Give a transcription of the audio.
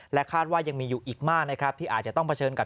คาดว่ายังมีอยู่อีกมากนะครับที่อาจจะต้องเผชิญกับ